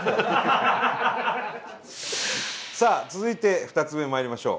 さあ続いて２つ目まいりましょう。